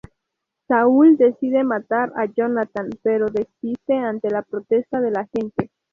Saúl decide matar a Jonatán, pero desiste ante la protesta de la gente.